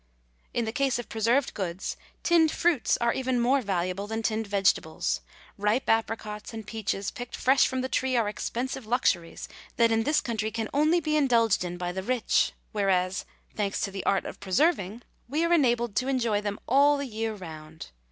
In the case of preserved goods, tinned fruits are even more valuable than tinned vegetables. Ripe apricots and peaches picked fresh from the tree are expensive luxuries that in this country can only be indulged in by the rich, whereas, thanks to the art of preserving, we are enabled to enjoy them all the year round.